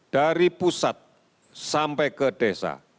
dari pusat sampai ke desa